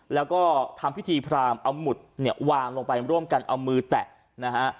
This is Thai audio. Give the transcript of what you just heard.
แล้วก็ทำพิธีพรามเอามุดวางลงไปร่วมกันเอามือแตะ